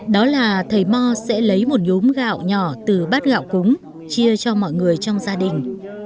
đó là thầy mò sẽ lấy một nhốm gạo nhỏ từ bát gạo cúng chia cho mọi người trong gia đình